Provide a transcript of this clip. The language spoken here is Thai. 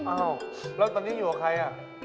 อ้าวแล้วตอนนี้อยู่กับใครอ่ะ